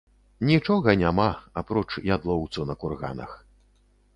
Нічога няма, апроч ядлоўцу на курганах.